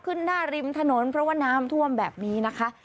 หน้าริมถนนเพราะว่าน้ำท่วมแบบนี้นะคะ